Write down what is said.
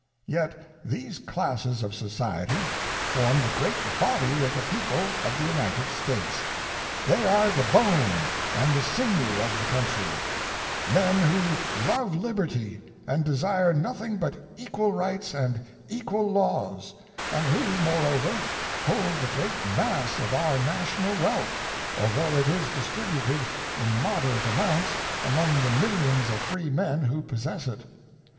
Yet these classes of society form the great body of the people of the United States; they are the bone and sinew of the country men who love liberty and desire nothing but equal rights and equal laws, and who, moreover, hold the great mass of our national wealth, although it is distributed in moderate amounts among the millions of freemen who possess it.